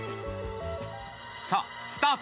さあ、スタート！